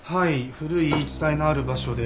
古い言い伝えのある場所で。